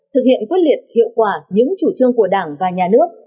thực hiện quyết liệt hiệu quả những chủ trương của đảng và nhà nước